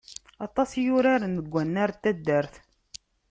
Aṭas i uraren deg wannar n taddart.